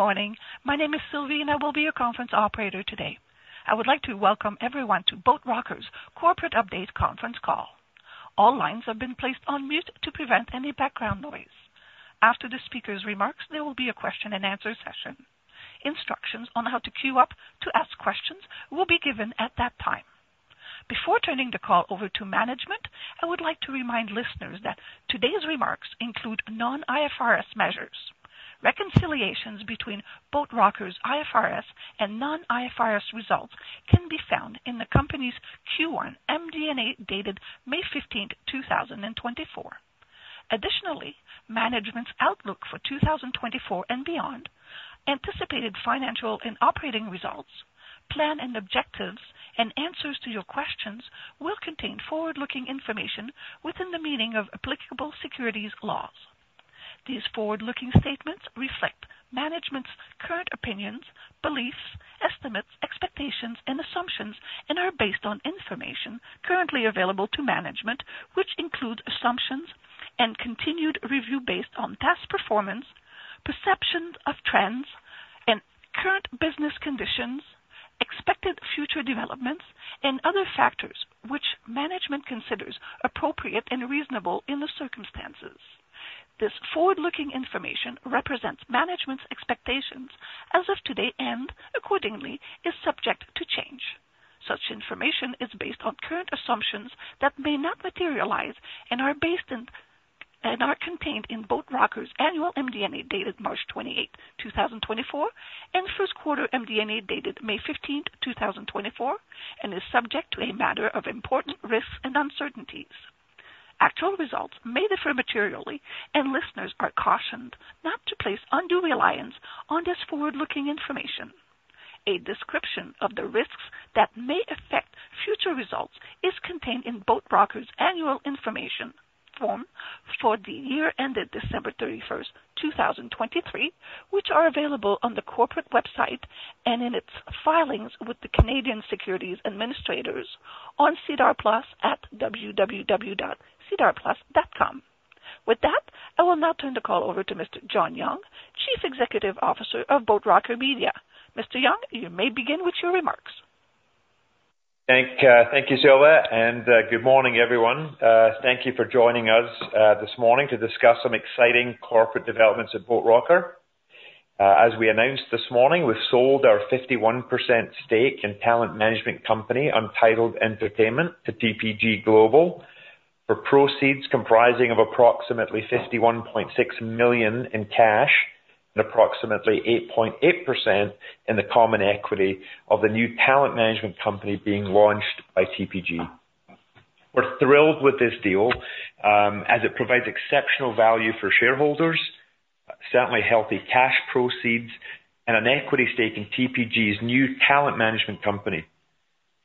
Good morning. My name is Sylvie, and I will be your conference operator today. I would like to welcome everyone to Boat Rocker's Corporate Update conference call. All lines have been placed on mute to prevent any background noise. After the speaker's remarks, there will be a question-and-answer session. Instructions on how to queue up to ask questions will be given at that time. Before turning the call over to management, I would like to remind listeners that today's remarks include non-IFRS measures. Reconciliations between Boat Rocker's IFRS and non-IFRS results can be found in the company's Q1 MD&A dated May 15, 2024. Additionally, management's Outlook for 2024 and beyond, anticipated financial and operating results, plan and objectives, and answers to your questions will contain forward-looking information within the meaning of applicable securities laws. These forward-looking statements reflect management's current opinions, beliefs, estimates, expectations, and assumptions, and are based on information currently available to management, which includes assumptions and continued review based on past performance, perceptions of trends, and current business conditions, expected future developments, and other factors which management considers appropriate and reasonable in the circumstances. This forward-looking information represents management's expectations as of today and, accordingly, is subject to change. Such information is based on current assumptions that may not materialize and are contained in Boat Rocker's annual MD&A dated March 28, 2024, and first quarter MD&A dated May 15, 2024, and is subject to a matter of important risks and uncertainties. Actual results may differ materially, and listeners are cautioned not to place undue reliance on this forward-looking information. A description of the risks that may affect future results is contained in Boat Rocker's Annual Information Form for the year ended December 31, 2023, which are available on the corporate website and in its filings with the Canadian Securities Administrators on SEDAR+ at www.sedarplus.ca. With that, I will now turn the call over to Mr. John Young, Chief Executive Officer of Boat Rocker Media. Mr. Young, you may begin with your remarks. Thank you, Sylvie, and good morning, everyone. Thank you for joining us this morning to discuss some exciting corporate developments at Boat Rocker. As we announced this morning, we've sold our 51% stake in talent management company Untitled Entertainment to TPG Global for proceeds comprising of approximately $51.6 million in cash and approximately 8.8% in the common equity of the new talent management company being launched by TPG. We're thrilled with this deal as it provides exceptional value for shareholders, certainly healthy cash proceeds, and an equity stake in TPG's new talent management company.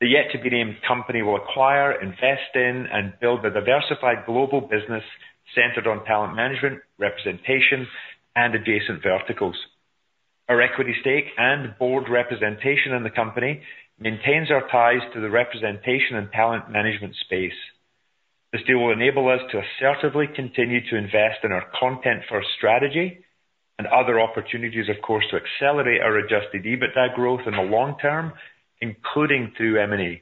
The yet-to-be-named company will acquire, invest in, and build a diversified global business centered on talent management, representation, and adjacent verticals. Our equity stake and board representation in the company maintains our ties to the representation and talent management space. This deal will enable us to assertively continue to invest in our content-first strategy and other opportunities, of course, to accelerate our Adjusted EBITDA growth in the long term, including through M&A.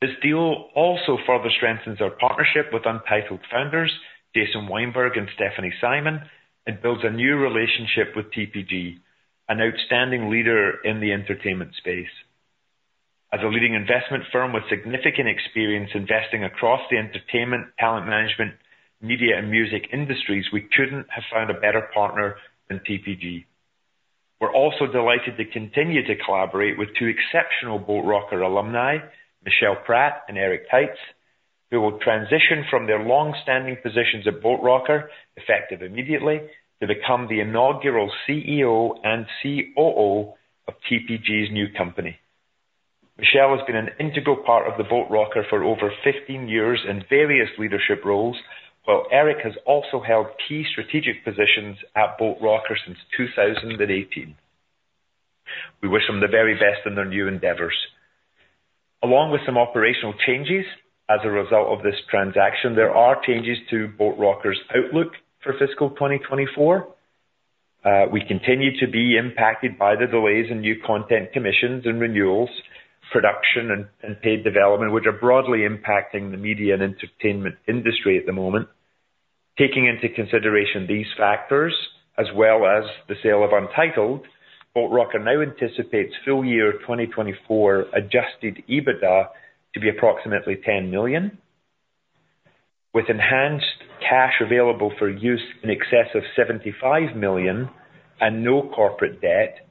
This deal also further strengthens our partnership with Untitled Founders, Jason Weinberg and Stephanie Simon, and builds a new relationship with TPG, an outstanding leader in the entertainment space. As a leading investment firm with significant experience investing across the entertainment, talent management, media, and music industries, we couldn't have found a better partner than TPG. We're also delighted to continue to collaborate with two exceptional Boat Rocker alumni, Michel Pratte and Eric Taitz, who will transition from their long-standing positions at Boat Rocker, effective immediately, to become the inaugural CEO and COO of TPG's new company. Michel has been an integral part of the Boat Rocker for over 15 years in various leadership roles, while Eric has also held key strategic positions at Boat Rocker since 2018. We wish them the very best in their new endeavors. Along with some operational changes as a result of this transaction, there are changes to Boat Rocker's outlook for fiscal 2024. We continue to be impacted by the delays in new content commissions and renewals, production and paid development, which are broadly impacting the media and entertainment industry at the moment. Taking into consideration these factors, as well as the sale of Untitled, Boat Rocker now anticipates full year 2024 Adjusted EBITDA to be approximately 10 million. With enhanced cash available for use in excess of 75 million and no corporate debt,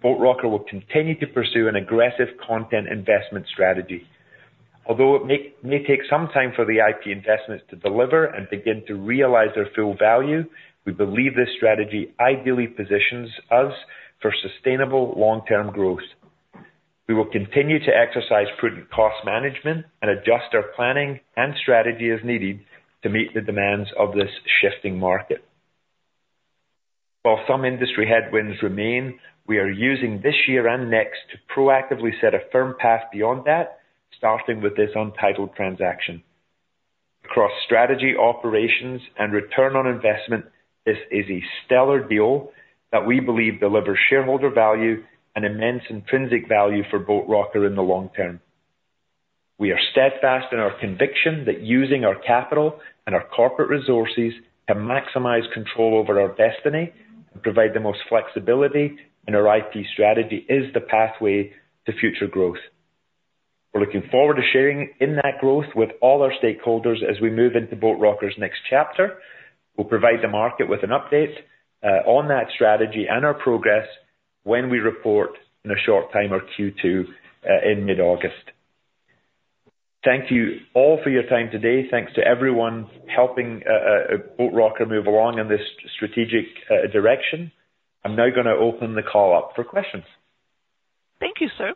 Boat Rocker will continue to pursue an aggressive content investment strategy. Although it may take some time for the IP investments to deliver and begin to realize their full value, we believe this strategy ideally positions us for sustainable long-term growth. We will continue to exercise prudent cost management and adjust our planning and strategy as needed to meet the demands of this shifting market. While some industry headwinds remain, we are using this year and next to proactively set a firm path beyond that, starting with this Untitled transaction. Across strategy, operations, and return on investment, this is a stellar deal that we believe delivers shareholder value and immense intrinsic value for Boat Rocker in the long term. We are steadfast in our conviction that using our capital and our corporate resources to maximize control over our destiny and provide the most flexibility in our IP strategy is the pathway to future growth. We're looking forward to sharing in that growth with all our stakeholders as we move into Boat Rocker's next chapter. We'll provide the market with an update on that strategy and our progress when we report in a short time, our Q2 in mid-August. Thank you all for your time today. Thanks to everyone helping Boat Rocker move along in this strategic direction. I'm now going to open the call up for questions. Thank you, sir.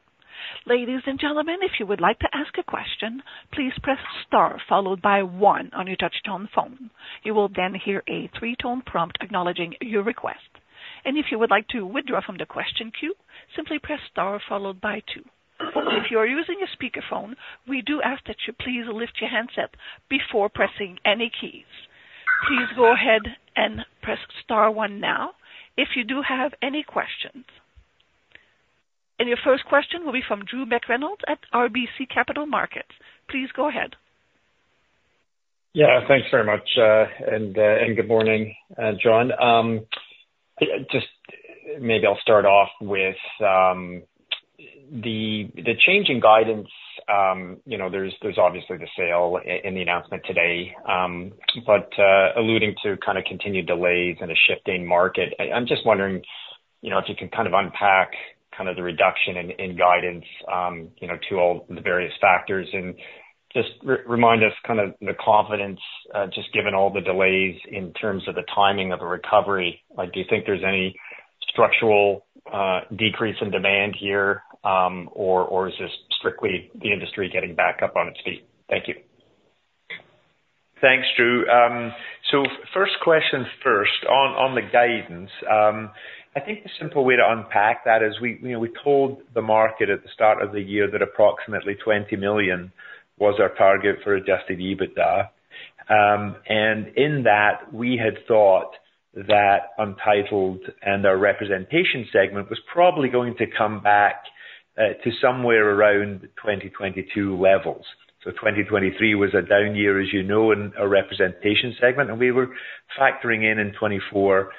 Ladies and gentlemen, if you would like to ask a question, please press star followed by one on your touch-tone phone. You will then hear a three-tone prompt acknowledging your request. If you would like to withdraw from the question queue, simply press star followed by two. If you are using a speakerphone, we do ask that you please lift your handset before pressing any keys. Please go ahead and press star one now if you do have any questions. Your first question will be from Drew McReynolds at RBC Capital Markets. Please go ahead. Yeah, thanks very much. Good morning, John. Just maybe I'll start off with the change in guidance. There's obviously the sale in the announcement today, but alluding to kind of continued delays and a shifting market. I'm just wondering if you can kind of unpack kind of the reduction in guidance to all the various factors and just remind us kind of the confidence just given all the delays in terms of the timing of the recovery. Do you think there's any structural decrease in demand here, or is this strictly the industry getting back up on its feet? Thank you. Thanks, Drew. So first question first on the guidance. I think the simple way to unpack that is we told the market at the start of the year that approximately 20 million was our target for Adjusted EBITDA. In that, we had thought that Untitled and our representation segment was probably going to come back to somewhere around 2022 levels. So 2023 was a down year, as you know, in our representation segment, and we were factoring in 2024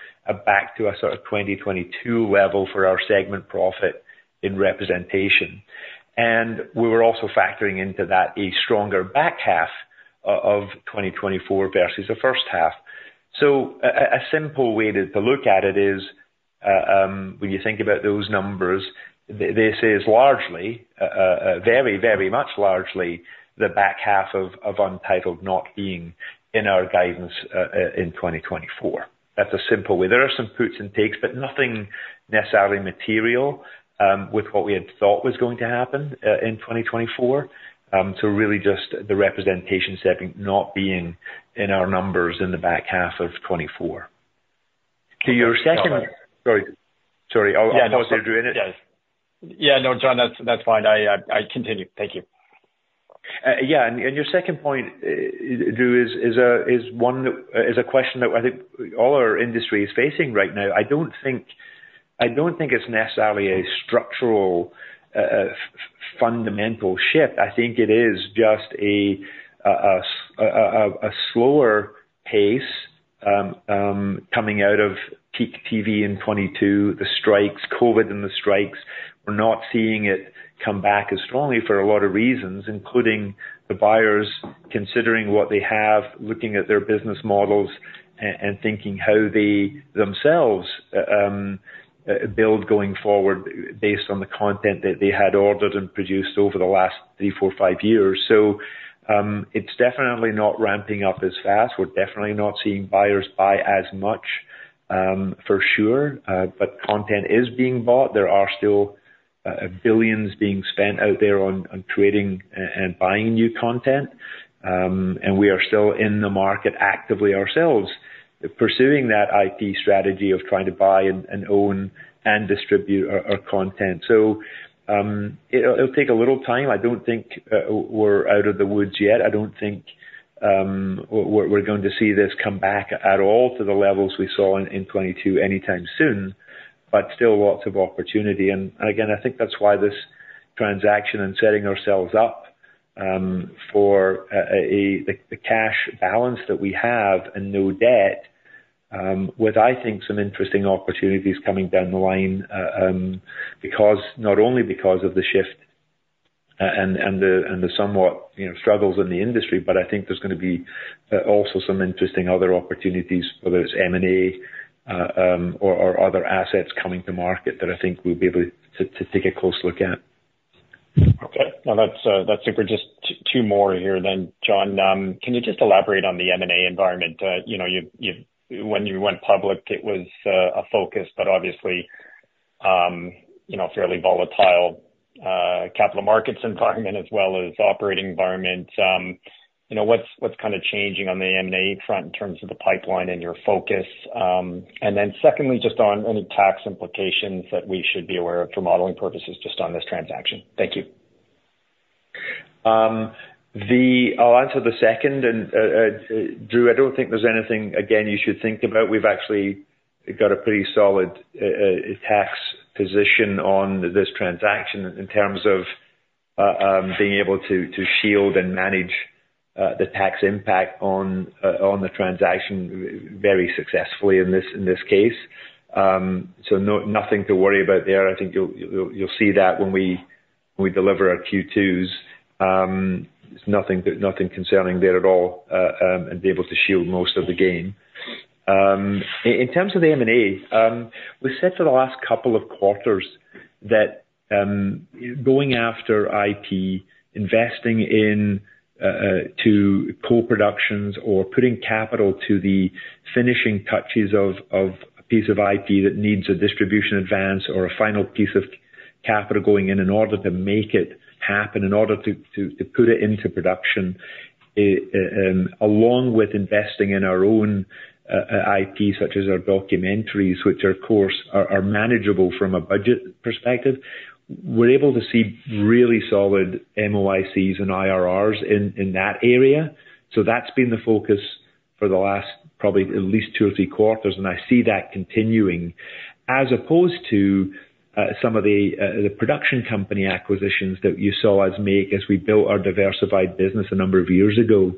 back to a sort of 2022 level for our segment profit in representation and we were also factoring into that a stronger back half of 2024 versus the first half. So a simple way to look at it is when you think about those numbers, this is largely, very, very much largely, the back half of Untitled not being in our guidance in 2024. That's a simple way. There are some puts and takes, but nothing necessarily material with what we had thought was going to happen in 2024. So really just the representation segment not being in our numbers in the back half of 2024. To your second- Sorry. Sorry. Yeah, no. I apologize, Drew. Yeah, no, John, that's fine. I continue. Thank you. Yeah. Your second point, Drew, is a question that I think all our industry is facing right now. I don't think it's necessarily a structural fundamental shift. I think it is just a slower pace coming out of peak TV in 2022, the strikes, COVID, and the strikes. We're not seeing it come back as strongly for a lot of reasons, including the buyers considering what they have, looking at their business models, and thinking how they themselves build going forward based on the content that they had ordered and produced over the last three, four, five years. So it's definitely not ramping up as fast. We're definitely not seeing buyers buy as much for sure, but content is being bought. There are still billions being spent out there on creating and buying new content. We are still in the market actively ourselves pursuing that IP strategy of trying to buy and own and distribute our content. So it'll take a little time. I don't think we're out of the woods yet. I don't think we're going to see this come back at all to the levels we saw in 2022 anytime soon, but still lots of opportunity. Again, I think that's why this transaction and setting ourselves up for the cash balance that we have and no debt with, I think, some interesting opportunities coming down the line not only because of the shift and the somewhat struggles in the industry, but I think there's going to be also some interesting other opportunities, whether it's M&A or other assets coming to market that I think we'll be able to take a close look at. Okay. Now, that's super. Just two more here then, John. Can you just elaborate on the M&A environment? When you went public, it was a focus, but obviously a fairly volatile capital markets environment as well as operating environment. What's kind of changing on the M&A front in terms of the pipeline and your focus? Then secondly, just on any tax implications that we should be aware of for modeling purposes just on this transaction. Thank you. I'll answer the second. Drew, I don't think there's anything, again, you should think about. We've actually got a pretty solid tax position on this transaction in terms of being able to shield and manage the tax impact on the transaction very successfully in this case. So nothing to worry about there. I think you'll see that when we deliver our Q2s. There's nothing concerning there at all and be able to shield most of the gain. In terms of the M&A, we said for the last couple of quarters that going after IP, investing to co-productions or putting capital to the finishing touches of a piece of IP that needs a distribution advance or a final piece of capital going in in order to make it happen, in order to put it into production, along with investing in our own IP, such as our documentaries, which are, of course, manageable from a budget perspective, we're able to see really solid MOICs and IRRs in that area. So that's been the focus for the last probably at least two or three quarters and I see that continuing as opposed to some of the production company acquisitions that you saw us make as we built our diversified business a number of years ago.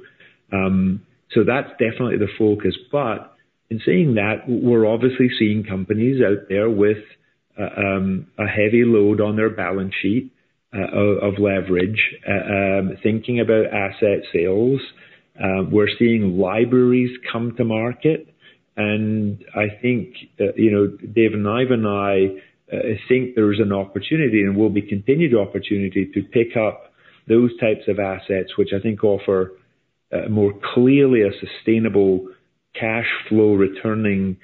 So that's definitely the focus. But in saying that, we're obviously seeing companies out there with a heavy load on their balance sheet of leverage, thinking about asset sales. We're seeing libraries come to market. I think Dave and I think there is an opportunity and will be continued opportunity to pick up those types of assets, which I think offer more clearly a sustainable cash flow returning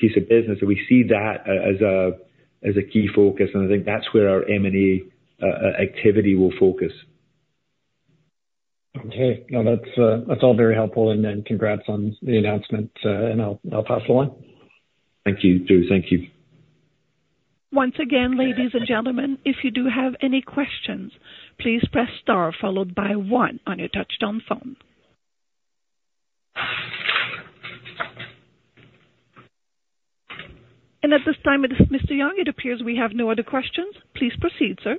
piece of business. We see that as a key focus. I think that's where our M&A activity will focus. Okay. No, that's all very helpful. Congrats on the announcement. And I'll pass the line. Thank you, Drew. Thank you. Once again, ladies and gentlemen, if you do have any questions, please press star followed by one on your touch-tone phone. At this time, Mr. Young, it appears we have no other questions. Please proceed, sir.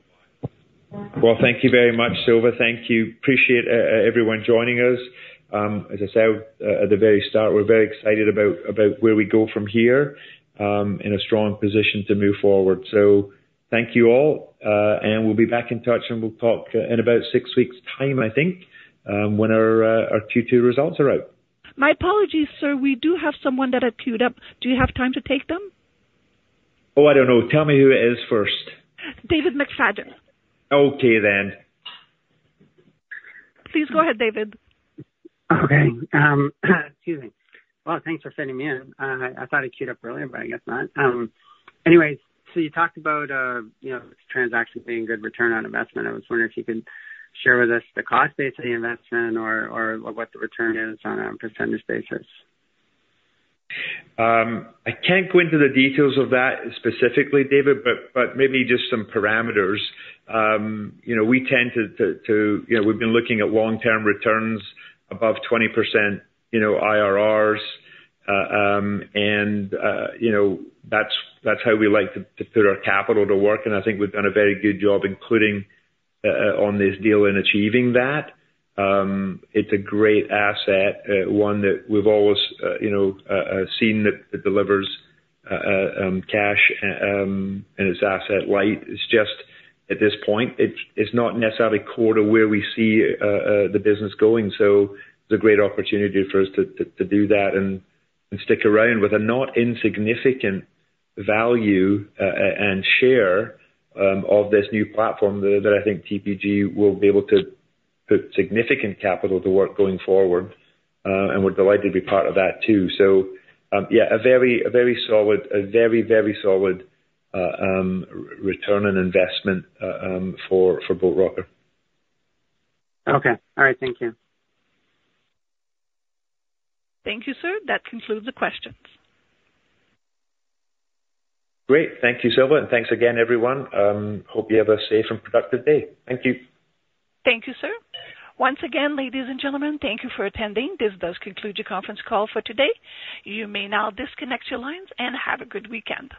Well, thank you very much, Sylvie. Thank you. Appreciate everyone joining us. As I said at the very start, we're very excited about where we go from here in a strong position to move forward. So thank you all, and we'll be back in touch. And we'll talk in about six weeks' time, I think, when our Q2 results are out. My apologies, sir. We do have someone that had queued up. Do you have time to take them? Oh, I don't know. Tell me who it is first. David McFadden. Okay then. Please go ahead, David. Okay. Excuse me. Well, thanks for sending me in. I thought it queued up earlier, but I guess not. Anyways, so you talked about the transaction being good return on investment. I was wondering if you could share with us the cost base of the investment or what the return is on a percentage basis. I can't go into the details of that specifically, David, but maybe just some parameters. We've been looking at long-term returns above 20% IRRs and that's how we like to put our capital to work. I think we've done a very good job, including on this deal in achieving that. It's a great asset, one that we've always seen that delivers cash and it's asset light. It's just at this point, it's not necessarily core to where we see the business going. So it's a great opportunity for us to do that and stick around with a not insignificant value and share of this new platform that I think TPG will be able to put significant capital to work going forward and we're delighted to be part of that too. So yeah, a very solid, a very, very solid return on investment for Boat Rocker. Okay. All right. Thank you. Thank you, sir. That concludes the questions. Great. Thank you, Sylvie. Thanks again, everyone. Hope you have a safe and productive day. Thank you. Thank you, sir. Once again, ladies and gentlemen, thank you for attending. This does conclude your conference call for today. You may now disconnect your lines and have a good weekend.